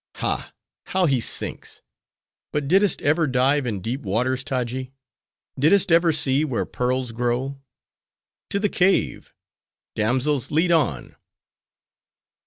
"Ha! how he sinks!—but did'st ever dive in deep waters, Taji? Did'st ever see where pearls grow?—To the cave!—damsels, lead on!"